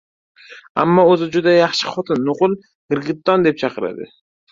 Ammo o‘zi juda yaxshi xotin. Nuqul «girgitton» deb gapiradi.